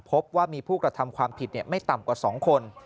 พบว่ามีผู้กระทำความผิดไม่ต่ำกว่า๒คน